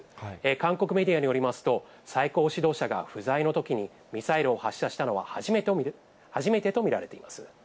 韓国メディアによりますと、最高指導者が不在のときに、ミサイルを発射したのは初めてと見られています。